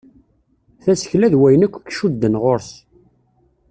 Tasekla d wayen akk i icudden ɣur-s.